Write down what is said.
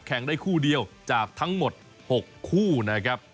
ได้คู่เดียวจากทั้งหมด๖คู่นะครับ